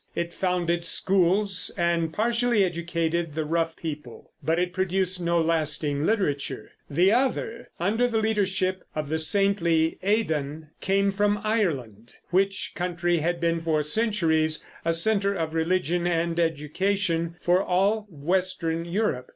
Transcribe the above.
It founded schools and partially educated the rough people, but it produced no lasting literature. The other, under the leadership of the saintly Aidan, came from Ireland, which country had been for centuries a center of religion and education for all western Europe.